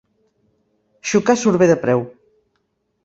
Xocar surt bé de preu.